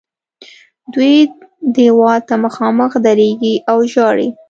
دوی دیوال ته مخامخ درېږي او ژاړي.